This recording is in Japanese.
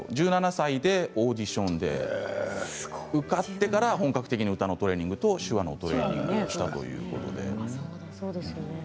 １７歳でオーディションで受かってから本格的に歌のトレーニングと手話のトレーニングをしたということで。